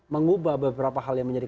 mengubah beberapa hal yang menjadi